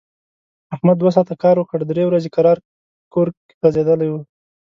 احمد دوه ساعت کار وکړ، درې ورځي کرار کور غځېدلی و.